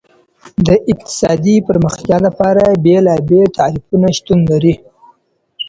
د اقتصادي پرمختيا لپاره بېلابېل تعريفونه شتون لري.